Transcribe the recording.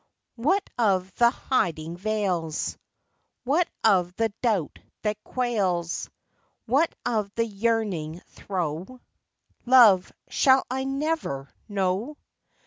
What of the hiding veils ? What of the doubt that quails What of the yearning throe " Love, shall I never know